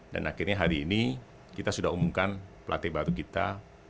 dan akhirnya hari ini kita sudah umumkan pelatih baru kita